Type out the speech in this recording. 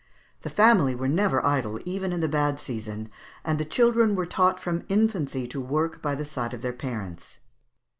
The family were never idle, even in the bad season, and the children were taught from infancy to work by the side of their parents (Fig.